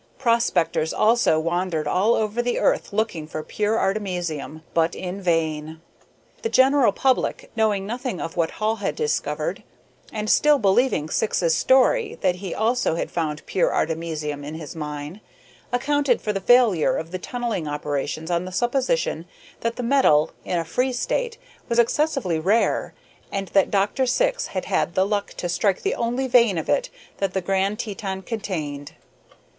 Prospectors also wandered all over the earth looking for pure artemisium, but in vain. The general public, knowing nothing of what Hall had discovered, and still believing Syx's story that he also had found pure artemisium in his mine, accounted for the failure of the tunnelling operations on the supposition that the metal, in a free state, was excessively rare, and that Dr. Syx had had the luck to strike the only vein of it that the Grand Teton contained.